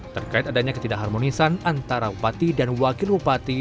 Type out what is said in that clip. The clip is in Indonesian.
terkait adanya ketidakharmonisan antara upati dan wakil upati